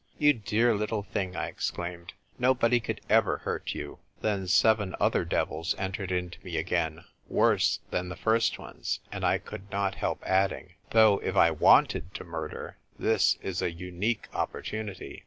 "You dear little thing !" I exclaimed, " nobody could ever hurt you !" Then seven other devils entered into me again, worse than the first ones, and I could not help adding, " Though if I wanted to murder, this is a unique opportunit}'.